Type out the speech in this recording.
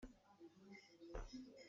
Tha tein zoh hmanh.